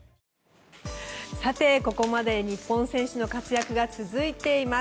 さて、ここまで日本選手の活躍が続いています。